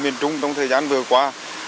ở miền trung trong thời gian vừa qua